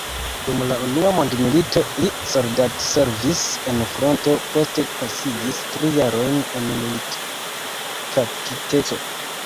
Dum la unua mondmilito li soldatservis en fronto, poste pasigis tri jarojn en militkaptiteco.